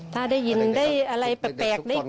ถ้าได้ยินได้อะไรแปลก